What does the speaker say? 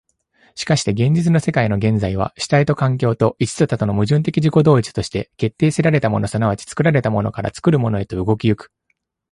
しかして現実の世界の現在は、主体と環境と、一と多との矛盾的自己同一として、決定せられたもの即ち作られたものから、作るものへと動き行く。